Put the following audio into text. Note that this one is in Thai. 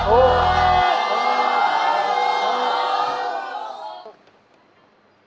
ถูก